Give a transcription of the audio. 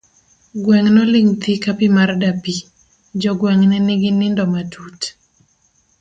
Gweng' noling' thi ka pi mar dapi, jogweng' ne nigi nindo matut.